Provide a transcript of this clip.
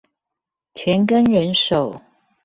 錢跟人手